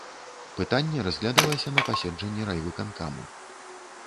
Пытанне разглядалася на паседжанні райвыканкаму.